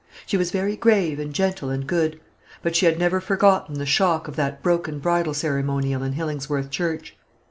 She was very grave and gentle and good; but she had never forgotten the shock of that broken bridal ceremonial in Hillingsworth Church.